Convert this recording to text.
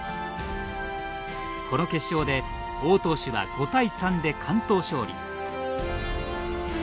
この決勝で王投手は５対３で完投勝利。